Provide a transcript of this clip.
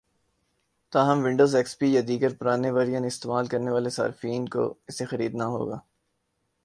تاہم Windows, X P یا دیگر پرانے ورژن استعمال کرنے والے صارفین کو اسے خریدنا ہوگا